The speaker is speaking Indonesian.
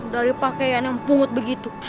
dari pakaian yang pungut begitu